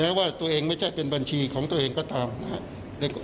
ว่าตัวเองไม่ใช่เป็นบัญชีของตัวเองก็ตามนะครับ